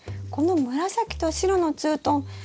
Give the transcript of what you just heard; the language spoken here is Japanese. この紫と白のツートン